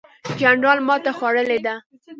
جنرال ماته خوړلې ده.